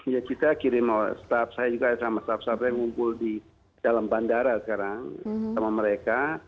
ya kita kirim staff saya juga sama staff staff yang ngumpul di dalam bandara sekarang sama mereka